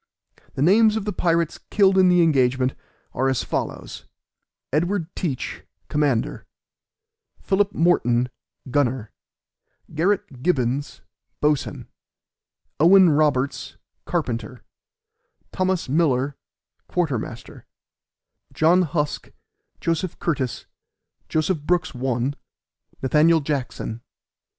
The names of the pirates killed in the engagement, are as follows: Edward Teach, commander; Philip Morton, gunner; Garret Gibbens, boatswain; Owen Roberts, carpenter; Thomas Miller, quartermaster; John Husk, Joseph Curtice, Joseph Brooks (1), Nath. Jackson.